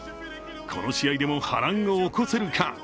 この試合でも波乱を起こせるか？